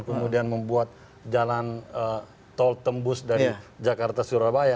kemudian membuat jalan tol tembus dari jakarta surabaya